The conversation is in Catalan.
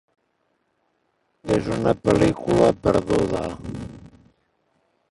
És una pel·lícula perduda.